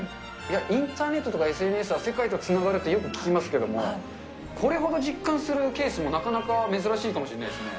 インターネットとかＳＮＳは世界とつながるってよく聞きますけれども、これほど実感するケースもなかなか珍しいかもしれないですね。